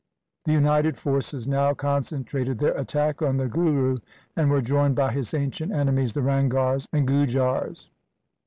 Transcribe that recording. The united forces now con centrated their attack on the Guru and were joined by his ancient enemies the Ranghars and Gujars.